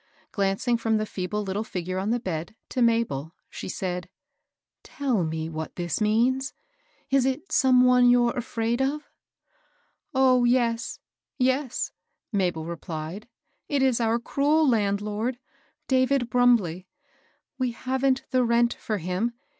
Glancing from the feeble little figure on the bed to Mabel, she said :—*^ Tell me what this means ? Is it some one you're afraid of? "" Oh yes, yes 1 " Mabel replied ;it is our cruel landlord — David Brumbley. We haven't the rent for him.